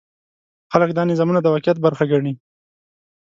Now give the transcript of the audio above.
خلک دا نظمونه د واقعیت برخه ګڼي.